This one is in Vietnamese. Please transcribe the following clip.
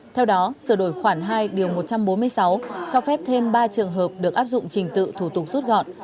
theo đó sửa đổi khoản hai điều một trăm bốn mươi sáu cho phép thêm ba trường hợp được áp dụng trình tự thủ tục rút gọn